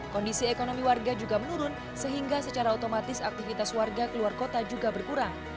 kondisi ekonomi warga juga menurun sehingga secara otomatis aktivitas warga keluar kota juga berkurang